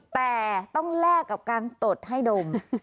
แต่ต้องแลกกับการตดให้ดม